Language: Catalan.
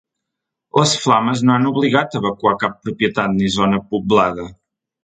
Les flames no han obligat a evacuar cap propietat ni zona poblada.